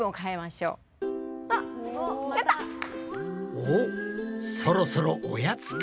おっそろそろおやつか？